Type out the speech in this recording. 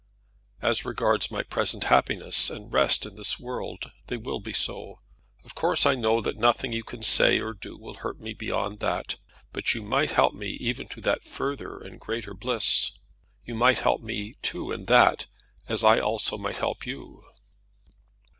"As regards my present happiness and rest in this world they will be so. Of course I know that nothing you can say or do will hurt me beyond that. But you might help me even to that further and greater bliss. You might help me too in that, as I also might help you."